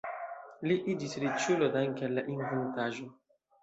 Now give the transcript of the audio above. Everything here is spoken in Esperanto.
Li iĝis riĉulo danke al la inventaĵo.